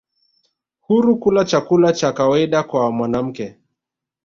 huru kula chakula cha kawaida kwa mwanamke